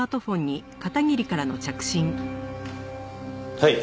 はい。